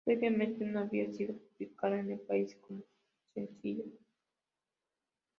Previamente no había sido publicado en el país como sencillo.